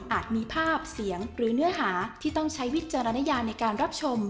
มีภาพเสียงหรือเนื้อหาที่ต้องใช้วิจารณญาในการรับชม